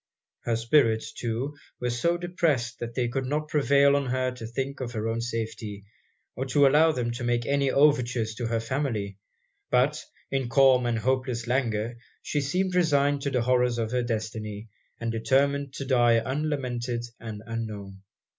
Her spirits, too, were so depressed, that they could not prevail on her to think of her own safety, or to allow them to make any overtures to her family; but, in calm and hopeless languor, she seemed resigned to the horrors of her destiny, and determined to die unlamented and unknown.